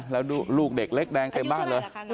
แล้วลูกเด็กเล็กแดงเต็มบ้านเลย